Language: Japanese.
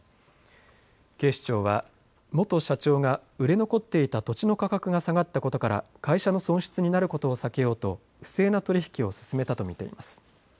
警視庁は元社長が売れ残っていた土地の価格が下がったことから会社の損失になることを避けようと不正な取り引きを進めたと見ています。